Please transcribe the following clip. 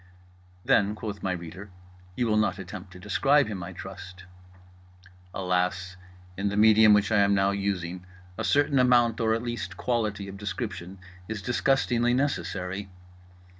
Then (quoth my reader) you will not attempt to describe him, I trust.—Alas, in the medium which I am now using a certain amount or at least quality of description is disgustingly necessary.